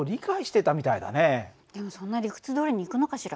でもそんな理屈どおりにいくのかしら？